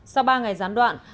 sau ba ngày giám đoạn